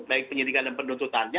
baik penyidikan dan penuntutannya